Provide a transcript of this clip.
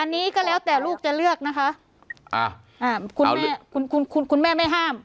อันนี้ก็แล้วแต่ลูกจะเลือกนะคะอ่าอ่าคุณแม่คุณคุณคุณแม่ไม่ห้าม